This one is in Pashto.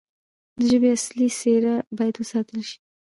د ژبې اصلي څیره باید وساتل شي.